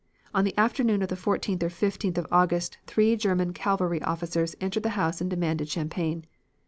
On the afternoon of the 14th or 15th of August three German cavalry officers entered the house and demanded champagne.